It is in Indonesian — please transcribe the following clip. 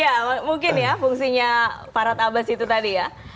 iya mungkin ya fungsinya farhat abbas itu tadi ya